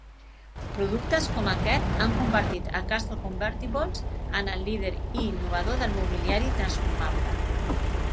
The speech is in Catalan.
Productes com aquest han convertit a Castro Convertibles en el líder i innovador del mobiliari transformable.